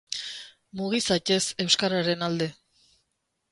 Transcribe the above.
Mugi zaitez euskararen alde